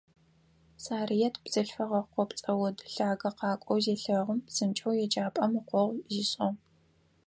Сарыет бзылъфыгъэ къопцӏэ од лъагэ къакӏоу зелъэгъум, псынкӏэу еджапӏэм ыкъогъу зишӏыгъ.